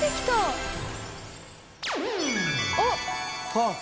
あっ！